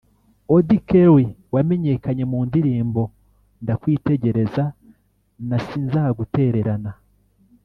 Auddy Kelly wamenyekanye mu ndirimbo Ndakwitegereza na Sinzagutererana